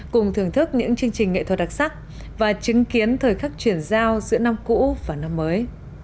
cùng thưởng thức những chương trình nghệ thuật đặc sắc và chứng kiến thời khắc chuyển giao giữa năm cũ và năm mới